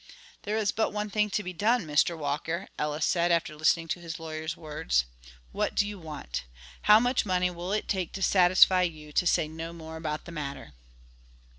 "There is but one thing to be done, Mr. Walker," Ellis said, after listening to his lawyer's words. "What do you want? How much money will it take to satisfy you to say no more about the matter?"